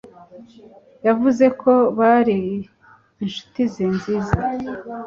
Yavuze ko bari inshuti ze nziza.